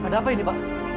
ada apa ini pak